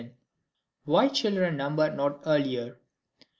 Why Children number not earlier.